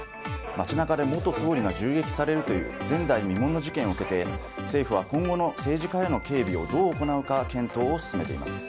街中で元総理が銃撃されるという前代未聞の事件を受けて政府は今後の政治家への警備をどう行うか検討を進めています。